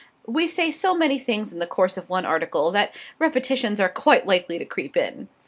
We say so many things in the course of one article that repetitions are quite likely to creep in).